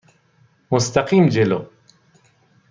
مستقیم جلو.